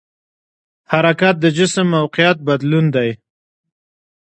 حرکت د جسم موقعیت بدلون دی.